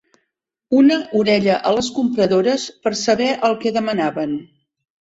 Una orella a les compradores per saber el que demanaven